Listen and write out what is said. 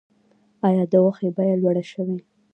آیا د غوښې بیه لوړه شوې؟